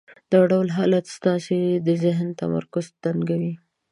دا ډول حالت ستاسې د ذهن تمرکز تنګوي.